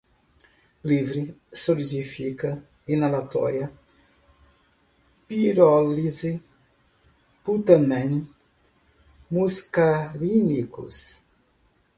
moscas-da-fruta, fumo, recreativamente, base livre, solidifica, inalatória, pirólise, putâmen, muscarínicos